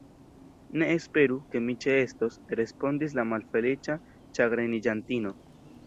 Ne esperu, ke mi ĉeestos, respondis la malfeliĉa ĉagreniĝantino.